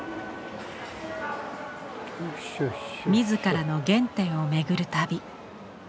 自らの原点を巡る旅。